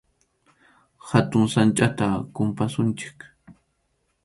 Hatun sachʼata kumpasunchik.